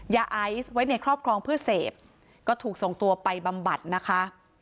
ยาไอซ์ไว้ในครอบครองเพื่อเสพก็ถูกส่งตัวไปบำบัดนะคะ